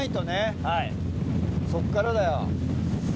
そっからだよ。